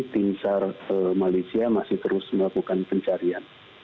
tingsar malaysia masih terus melakukan pencarian